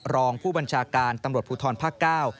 รองผู้บัญชาการตำรวจภูทรภาคเก้า